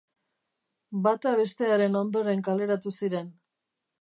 Bata bestearen ondoren kaleratu ziren.